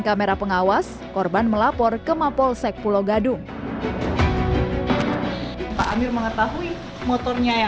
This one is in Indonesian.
kamera pengawas korban melapor ke mapolsek pulau gadung pak amir mengetahui motornya yang